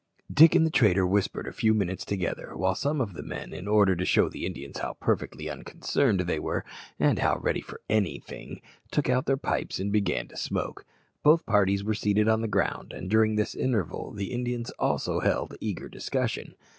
Dick and the trader whispered a few minutes together, while some of the men, in order to show the Indians how perfectly unconcerned they were, and how ready for anything, took out their pipes and began to smoke. Both parties were seated on the ground, and during this interval the Indians also held eager discussion.